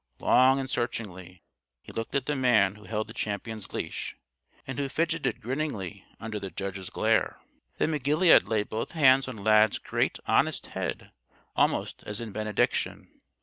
Long and searchingly he looked at the man who held the Champion's leash and who fidgeted grinningly under the judge's glare. Then McGilead laid both hands on Lad's great honest head almost as in benediction.